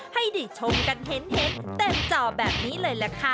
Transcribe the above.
ให้ได้ชมกันเห็นเต็มจอแบบนี้เลยล่ะค่ะ